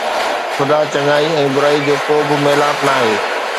خدا، چڱائي ۽ برائي جو ڪو به ميلاپ ناهي.